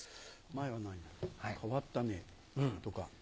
前は何変わったねとか。